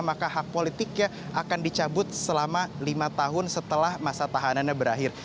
maka hak politiknya akan dicabut selama lima tahun setelah masa tahanannya berakhir